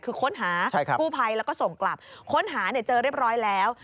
คือค้นหากู้ภัยแล้วก็ส่งกลับค้นหาเจอเรียบร้อยแล้ว